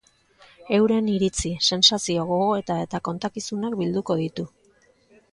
Euren iritzi, sentsazio, gogoeta eta kontakizunak bilduko ditu.